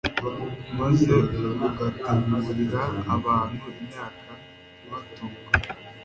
maze ugategurira abantu imyaka ibatunga